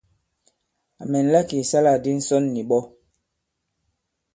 À mɛ̀nla kì ìsalâkdi ǹsɔn nì ɓɔ.